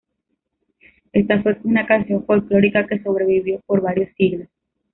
Esta fue una canción folclórica que sobrevivió por varios siglos.